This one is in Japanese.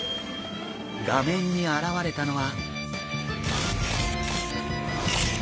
画面に現れたのは。